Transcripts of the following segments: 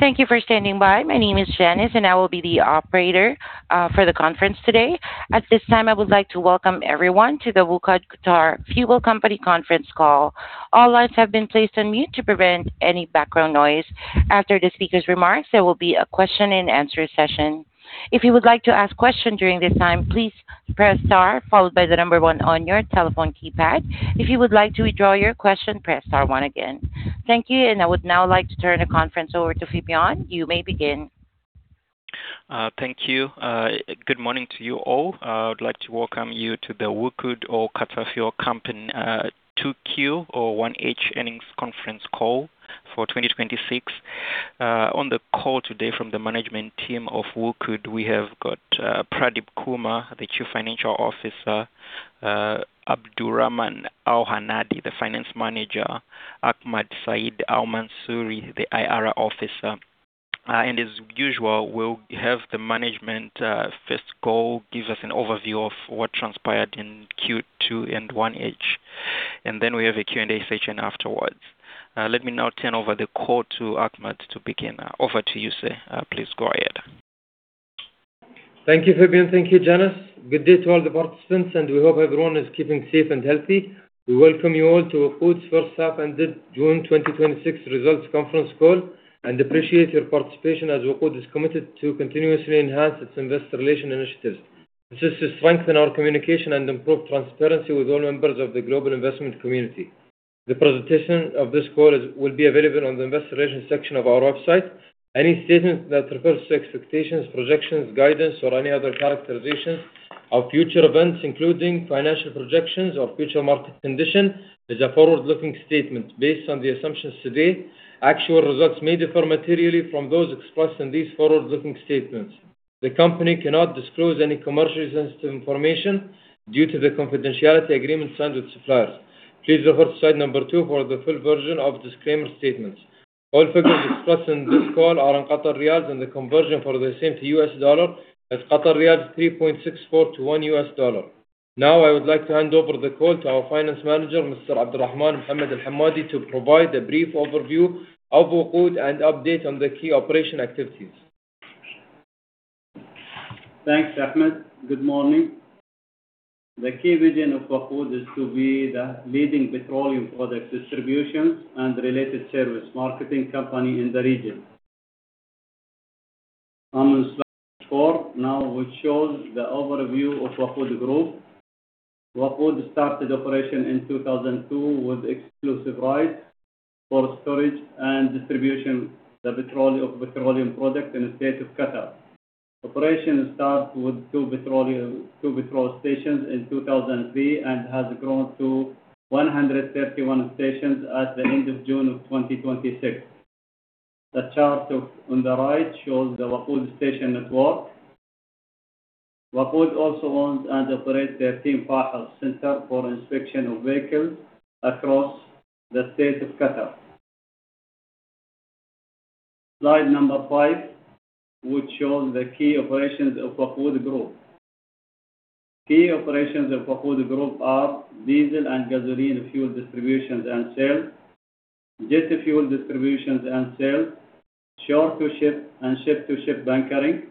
Thank you for standing by. My name is Janice, and I will be the operator for the conference today. At this time, I would like to welcome everyone to the WOQOD Qatar Fuel Company conference call. All lines have been placed on mute to prevent any background noise. After the speaker's remarks, there will be a question and answer session. If you would like to ask questions during this time, please press star followed by the number one on your telephone keypad. If you would like to withdraw your question, press star one again. Thank you, and I would now like to turn the conference over to Phibion. You may begin. Thank you. Good morning to you all. I would like to welcome you to the WOQOD or Qatar Fuel Company Q2 or 1H earnings conference call for 2026. On the call today from the management team of WOQOD, we have got Pradeep Kumar, the Chief Financial Officer; Abdulrahman Al-Hammadi, the Finance Manager; Ahmed Saeed Al-Mansouri, the IR Officer. As usual, we'll have the management first call, give us an overview of what transpired in Q2 and 1H. Then we have a Q&A session afterwards. Let me now turn over the call to Ahmed to begin. Over to you, sir. Please go ahead. Thank you, Phibion. Thank you, Janice. Good day to all the participants, and we hope everyone is keeping safe and healthy. We welcome you all to WOQOD's first half ended June 2026 results conference call and appreciate your participation as WOQOD is committed to continuously enhance its investor relations initiatives. This is to strengthen our communication and improve transparency with all members of the global investment community. The presentation of this call will be available on the investor relations section of our website. Any statement that refers to expectations, projections, guidance, or any other characterizations of future events, including financial projections or future market conditions, is a forward-looking statement based on the assumptions today. Actual results may differ materially from those expressed in these forward-looking statements. The company cannot disclose any commercially sensitive information due to the confidentiality agreement signed with suppliers. Please refer to slide number two for the full version of disclaimer statements. All figures discussed in this call are in Qatar Riyals and the conversion for the same to US dollar is 3.64 to $1. I would like to hand over the call to our Finance Manager, Mr. Abdulrahman Mohammed Al-Hammadi, to provide a brief overview of WOQOD and update on the key operation activities. Thanks, Ahmed. Good morning. The key vision of WOQOD is to be the leading petroleum products distributions and related service marketing company in the region. I'm on slide four now, which shows the overview of WOQOD Group. WOQOD started operation in 2002 with exclusive rights for storage and distribution of petroleum products in the State of Qatar. Operation start with two petrol stations in 2003 and has grown to 131 stations at the end of June of 2026. The chart on the right shows the WOQOD station network. WOQOD also owns and operates 13 FAHES centers for inspection of vehicles across the State of Qatar. Slide number five, which shows the key operations of WOQOD Group. Key operations of WOQOD Group are diesel and gasoline fuel distributions and sales, jet fuel distributions and sales, shore-to-ship and ship-to-ship bunkering,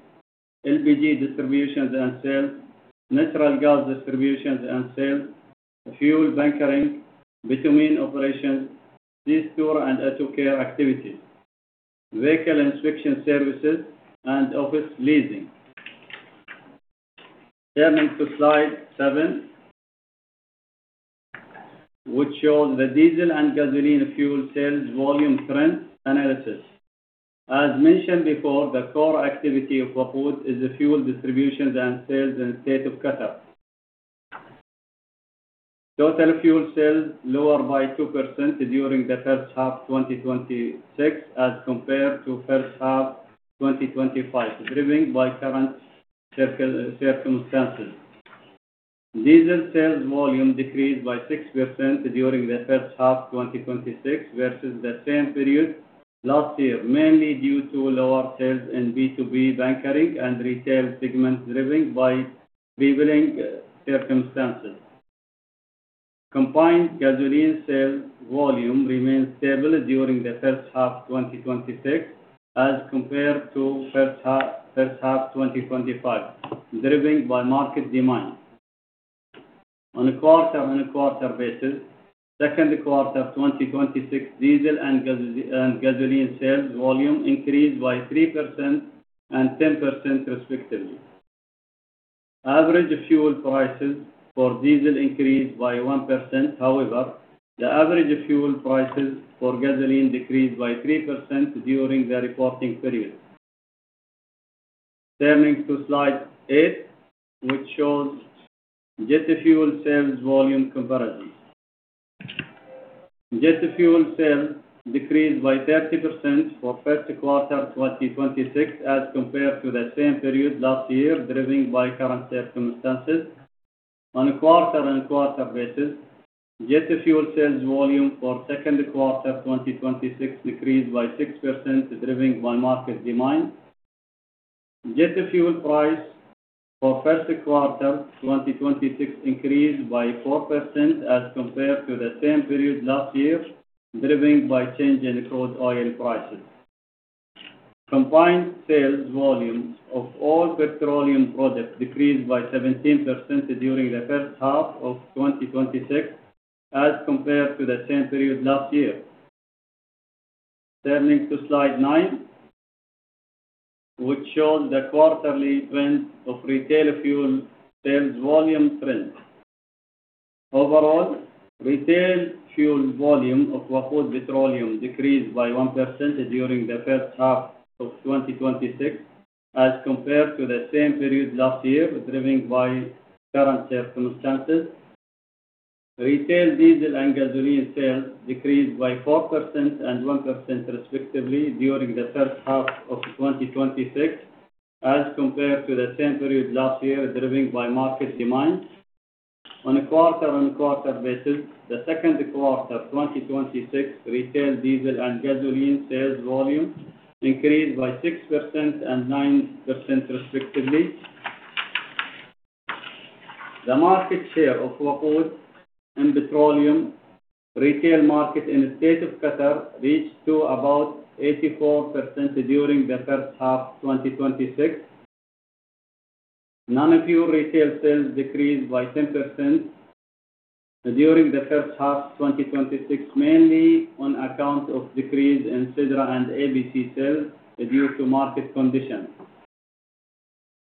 LPG distributions and sales, natural gas distributions and sales, fuel bunkering, bitumen operations, Sidra store and auto care activities, vehicle inspection services, and office leasing. Turning to slide seven, which shows the diesel and gasoline fuel sales volume trend analysis. As mentioned before, the core activity of WOQOD is fuel distributions and sales in State of Qatar. Total fuel sales lower by 2% during the first half 2026 as compared to first half 2025, driven by current circumstances. Diesel sales volume decreased by 6% during the first half 2026 versus the same period last year, mainly due to lower sales in B2B bunkering and retail segments driven by prevailing circumstances. Combined gasoline sales volume remained stable during the first half 2026 as compared to first half 2025, driven by market demand. On a quarter-on-quarter basis, second quarter 2026 diesel and gasoline sales volume increased by 3% and 10% respectively. Average fuel prices for diesel increased by 1%. However, the average fuel prices for gasoline decreased by 3% during the reporting period. Turning to slide eight, which shows jet fuel sales volume comparison. Jet fuel sales decreased by 30% for first quarter 2026 as compared to the same period last year, driven by current circumstances. On a quarter-on-quarter basis, jet fuel sales volume for second quarter 2026 decreased by 6%, driven by market demand. Jet fuel price for first quarter 2026 increased by 4% as compared to the same period last year, driven by changing crude oil prices. Combined sales volumes of all petroleum products decreased by 17% during the first half of 2026 as compared to the same period last year. Turning to slide nine, which shows the quarterly trend of retail fuel sales volume trends. Overall, retail fuel volume of WOQOD petroleum decreased by 1% during the first half of 2026 as compared to the same period last year, driven by current circumstances. Retail diesel and gasoline sales decreased by 4% and 1% respectively during the first half of 2026 as compared to the same period last year, driven by market demand. On a quarter-on-quarter basis, the second quarter 2026 retail diesel and gasoline sales volume increased by 6% and 9% respectively. The market share of WOQOD in petroleum retail market in the State of Qatar reached to about 84% during the first half 2026. Non-fuel retail sales decreased by 10% during the first half 2026, mainly on account of decrease in Sidra and LPG sales due to market conditions.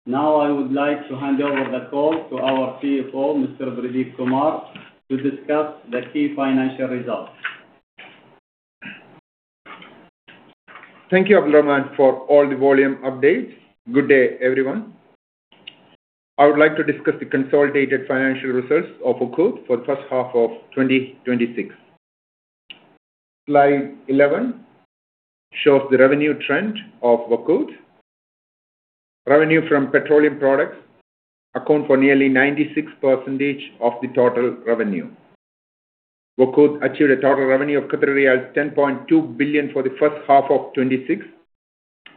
Now, I would like to hand over the call to our CFO, Mr. Pradeep Kumar, to discuss the key financial results. Thank you Abdulrahman for all the volume updates. Good day, everyone. I would like to discuss the consolidated financial results of WOQOD for the first half of 2026. Slide 11 shows the revenue trend of WOQOD. Revenue from petroleum products account for nearly 96% of the total revenue. WOQOD achieved a total revenue of 10.2 billion for the first half of 2026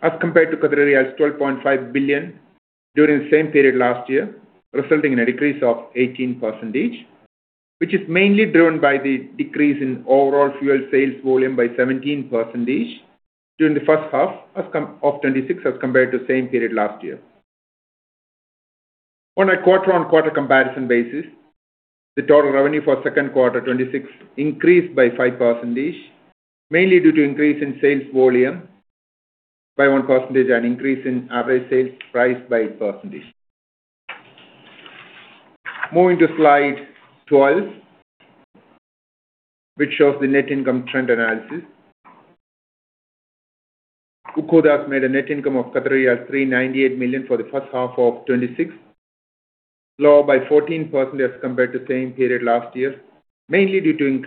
as compared to 12.5 billion during the same period last year, resulting in a decrease of 18%, which is mainly driven by the decrease in overall fuel sales volume by 17% during the first half of 2026 as compared to the same period last year. On a quarter-on-quarter comparison basis, the total revenue for second quarter 2026 increased by 5%, mainly due to increase in sales volume by 1% and increase in average sales price by 8%. Moving to Slide 12, which shows the net income trend analysis. WOQOD has made a net income of 398 million for the first half of 2026, lower by 14% as compared to the same period last year, mainly due to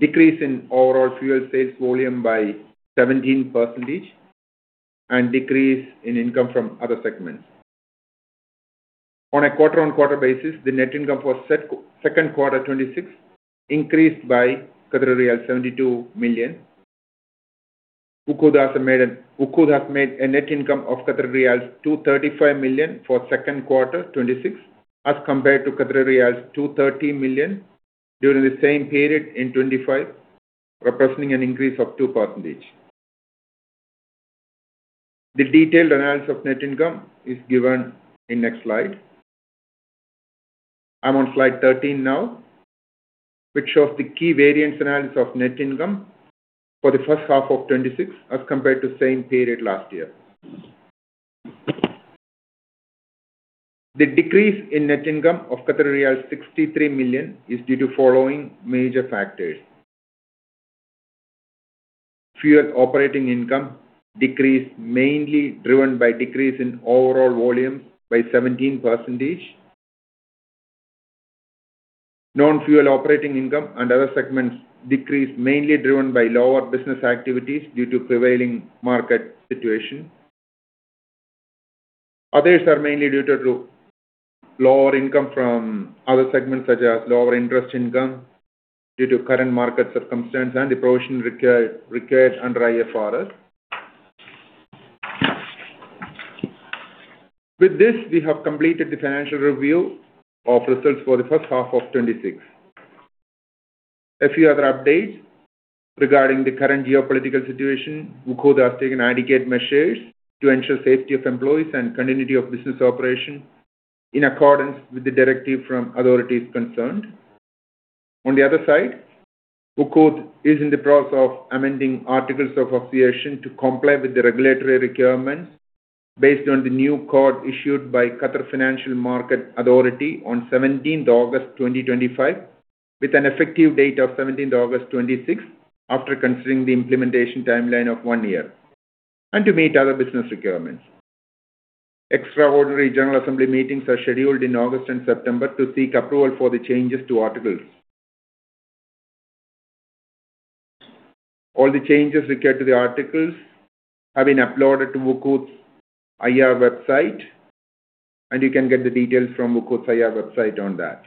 decrease in overall fuel sales volume by 17% and decrease in income from other segments. On a quarter-on-quarter basis, the net income for second quarter 2026 increased by riyals 72 million. WOQOD has made a net income of 235 million riyals for second quarter 2026 as compared to 230 million riyals during the same period in 2025, representing an increase of 2%. The detailed analysis of net income is given in next slide. I'm on Slide 13 now, which shows the key variance analysis of net income for the first half of 2026 as compared to same period last year. The decrease in net income of 63 million is due to following major factors. Fuel operating income decreased, mainly driven by decrease in overall volume by 17%. Non-fuel operating income and other segments decreased, mainly driven by lower business activities due to prevailing market situation. Others are mainly due to lower income from other segments such as lower interest income due to current market circumstance and the provision required under IFRS. With this, we have completed the financial review of results for the first half of 2026. A few other updates regarding the current geopolitical situation. WOQOD has taken adequate measures to ensure safety of employees and continuity of business operation in accordance with the directive from authorities concerned. On the other side, WOQOD is in the process of amending articles of association to comply with the regulatory requirements based on the new code issued by Qatar Financial Market Authority on 17th August 2025, with an effective date of 17th August 2026, after considering the implementation timeline of one year, and to meet other business requirements. Extraordinary general assembly meetings are scheduled in August and September to seek approval for the changes to articles. All the changes required to the articles have been uploaded to WOQOD's IR website, and you can get the details from WOQOD's IR website on that.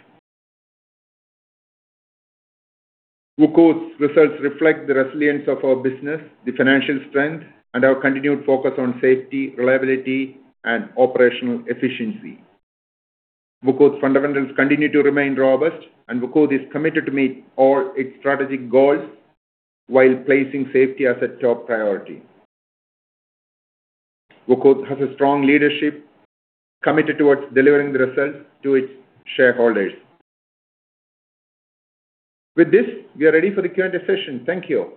WOQOD results reflect the resilience of our business, the financial strength, and our continued focus on safety, reliability, and operational efficiency. WOQOD fundamentals continue to remain robust, and WOQOD is committed to meet all its strategic goals while placing safety as a top priority. WOQOD has a strong leadership committed towards delivering the results to its shareholders. With this, we are ready for the Q&A session. Thank you.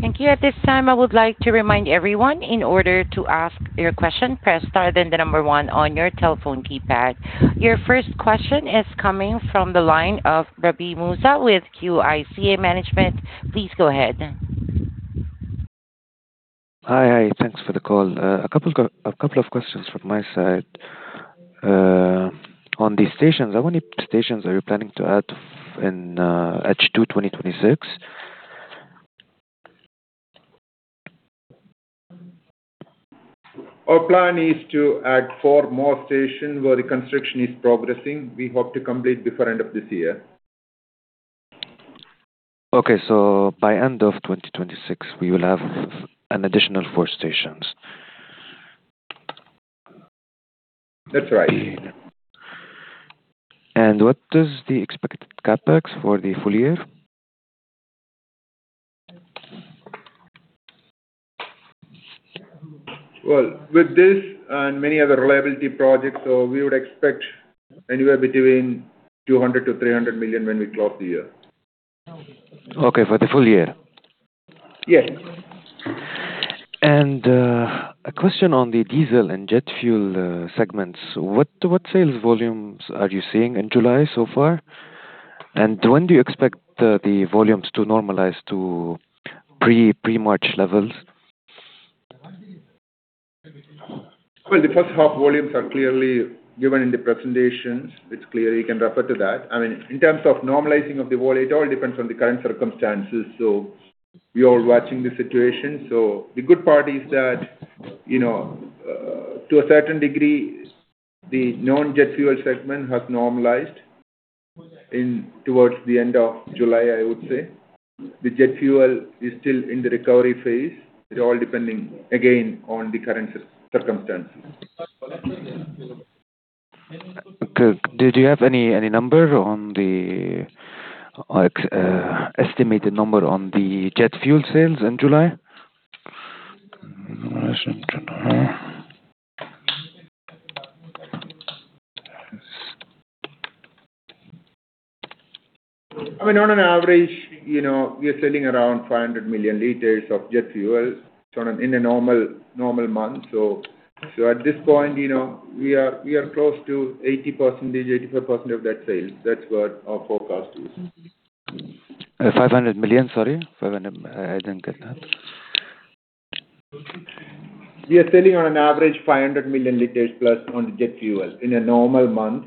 Thank you. At this time, I would like to remind everyone, in order to ask your question, press star, then the number one on your telephone keypad. Your first question is coming from the line of Rabih Moussa with QIC Asset Management. Please go ahead. Hi. Thanks for the call. A couple of questions from my side. On these stations, how many stations are you planning to add in H2 2026? Our plan is to add four more stations where the construction is progressing. We hope to complete before end of this year. Okay. By end of 2026, we will have an additional four stations. That's right. What is the expected CapEx for the full year? Well, with this and many other reliability projects, we would expect anywhere between 200 million-300 million when we close the year. Okay. For the full year? Yes. A question on the diesel and jet fuel segments. What sales volumes are you seeing in July so far? When do you expect the volumes to normalize to pre-March levels? Well, the first half volumes are clearly given in the presentations. It's clear, you can refer to that. In terms of normalizing of the volume, it all depends on the current circumstances. We are watching the situation. The good part is that to a certain degree, the non-jet fuel segment has normalized towards the end of July, I would say. The jet fuel is still in the recovery phase. It all depending, again, on the current circumstances. Okay. Do you have any estimated number on the jet fuel sales in July? On an average, we are selling around 500 million L of jet fuel in a normal month. At this point, we are close to 80%-85% of that sales. That's what our forecast is. 500 million? Sorry, I didn't get that. We are selling on an average 500 million L plus on jet fuel in a normal month.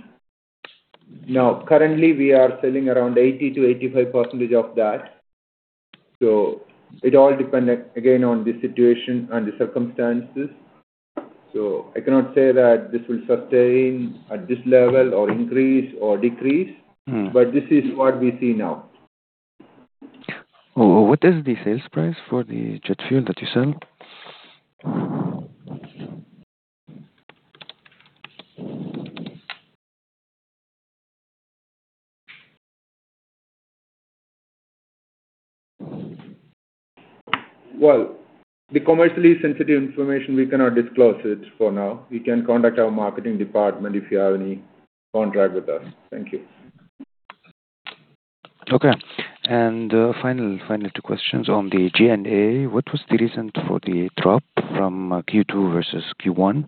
Currently, we are selling around 80%-85% of that. It all depend, again, on the situation and the circumstances. I cannot say that this will sustain at this level or increase or decrease, but this is what we see now. What is the sales price for the jet fuel that you sell? Well, the commercially sensitive information, we cannot disclose it for now. You can contact our marketing department if you have any contract with us. Thank you. Okay. Final two questions on the G&A. What was the reason for the drop from Q2 versus Q1?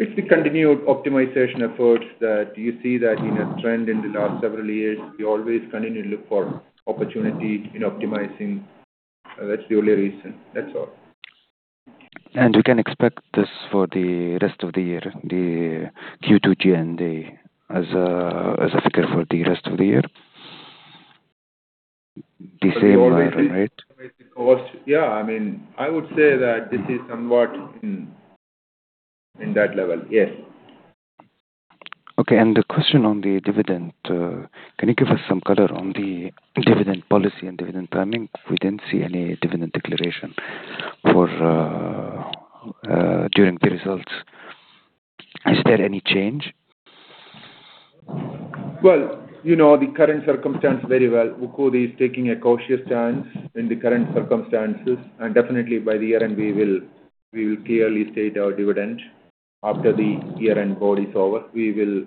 It's the continued optimization efforts that you see that in a trend in the last several years. We always continue to look for opportunity in optimizing. That's the only reason. That's all. We can expect this for the rest of the year, the Q2 G&A as a figure for the rest of the year? The same model, right? Yeah. I would say that this is somewhat in that level. Yes. Okay. A question on the dividend. Can you give us some color on the dividend policy and dividend timing? We didn't see any dividend declaration during the results. Is there any change? Well, you know the current circumstance very well. WOQOD is taking a cautious stance in the current circumstances, definitely by the year-end, we will clearly state our dividend after the year-end board is over. We will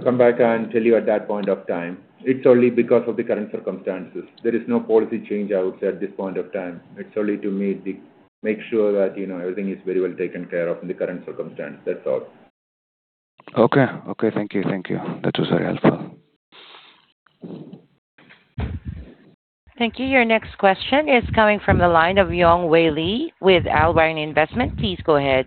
come back and tell you at that point of time. It's only because of the current circumstances. There is no policy change, I would say, at this point of time. It's only to make sure that everything is very well taken care of in the current circumstance. That's all. Okay. Thank you. That was very helpful. Thank you. Your next question is coming from the line of Yong Wei Lee with [Albireo Investment]. Please go ahead.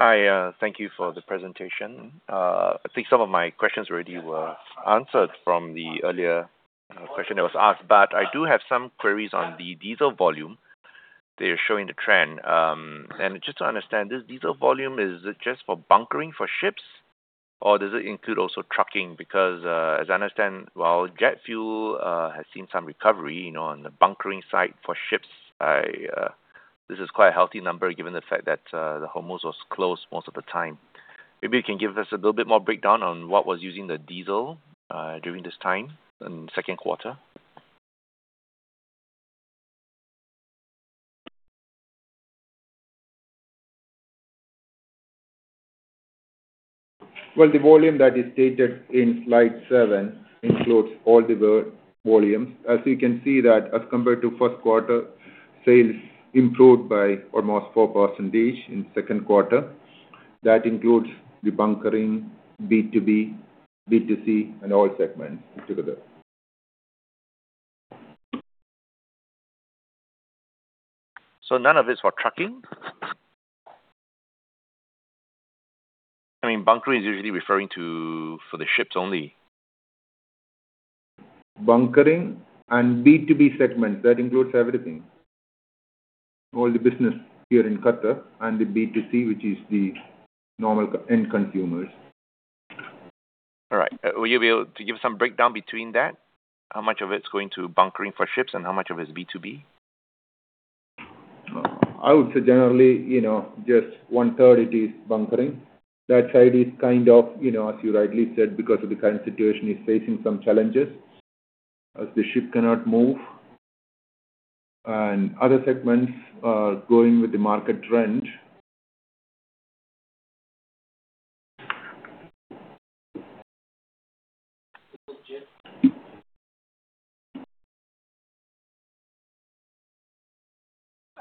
Hi. Thank you for the presentation. I think some of my questions already were answered from the earlier question that was asked, but I do have some queries on the diesel volume. They are showing the trend. Just to understand, this diesel volume, is it just for bunkering for ships, or does it include also trucking? Because as I understand, while jet fuel has seen some recovery on the bunkering side for ships, this is quite a healthy number given the fact that the Hamad was closed most of the time. Maybe you can give us a little bit more breakdown on what was using the diesel during this time in the second quarter. Well, the volume that is stated in slide seven includes all the volumes. As you can see that as compared to first quarter, sales improved by almost 4% in second quarter. That includes the bunkering, B2B, B2C, and all segments together. None of it is for trucking? I mean, bunkering is usually referring to for the ships only. Bunkering and B2B segments, that includes everything. All the business here in Qatar and the B2C, which is the normal end consumers. All right. Will you be able to give some breakdown between that? How much of it's going to bunkering for ships and how much of it is B2B? I would say generally, just one-third it is bunkering. That side is kind of, as you rightly said, because of the current situation, is facing some challenges as the ship cannot move. Other segments are going with the market trend.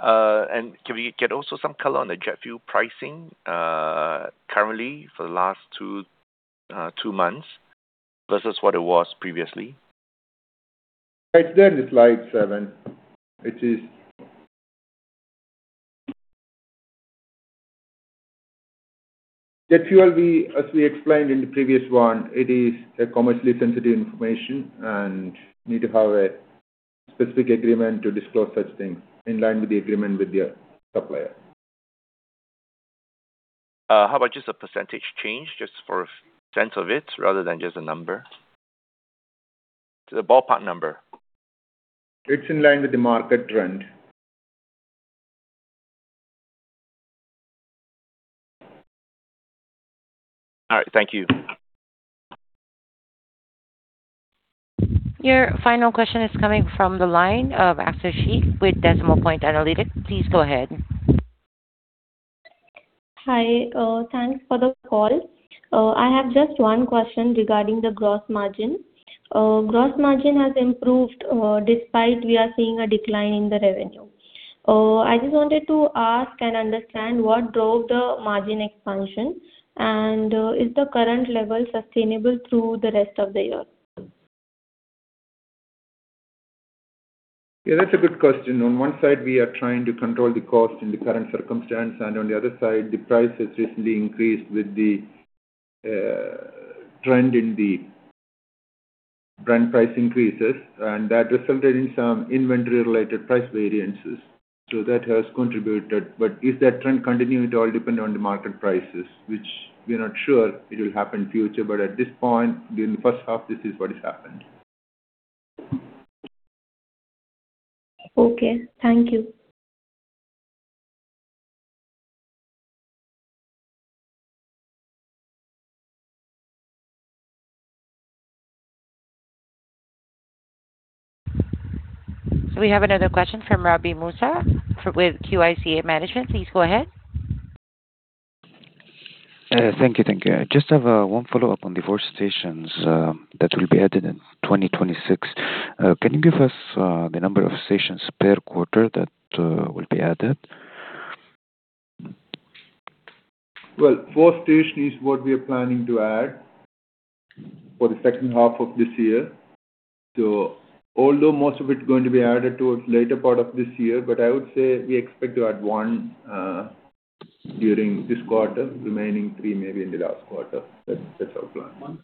Can we get also some color on the jet fuel pricing currently for the last two months versus what it was previously? It is there in slide seven. It is jet fuel, as we explained in the previous one, it is a commercially sensitive information, and you need to have a specific agreement to disclose such things in line with the agreement with your supplier. How about just a percentage change, just for sense of it rather than just a number? Just a ballpark number. It is in line with the market trend. All right. Thank you. Your final question is coming from the line of Aqsa Shaikh with Decimal Point Analytics. Please go ahead. Hi. Thanks for the call. I have just one question regarding the gross margin. Gross margin has improved despite we are seeing a decline in the revenue. I just wanted to ask and understand what drove the margin expansion, and is the current level sustainable through the rest of the year? Yeah, that's a good question. On one side, we are trying to control the cost in the current circumstance, and on the other side, the price has recently increased with the trend in the Brent price increases, and that resulted in some inventory-related price variances. That has contributed. If that trend continue, it all depend on the market prices, which we are not sure it'll happen future. At this point, during the first half, this is what has happened. Okay. Thank you. We have another question from Rabih Moussa with QIC Asset Management. Please go ahead. Thank you. I just have one follow-up on the four stations that will be added in 2026. Can you give us the number of stations per quarter that will be added? Well, four station is what we are planning to add for the second half of this year. Although most of it's going to be added towards later part of this year, but I would say we expect to add one during this quarter, remaining three maybe in the last quarter. That's our plan.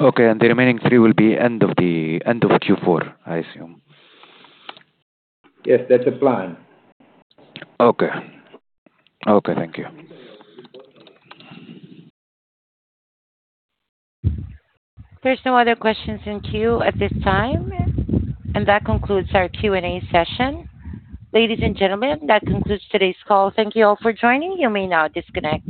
Okay. The remaining three will be end of Q4, I assume? Yes, that's the plan. Okay. Thank you. There's no other questions in queue at this time, and that concludes our Q&A session. Ladies and gentlemen, that concludes today's call. Thank you all for joining. You may now disconnect.